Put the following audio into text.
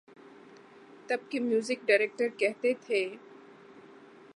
تب کے music director کہتے تھے۔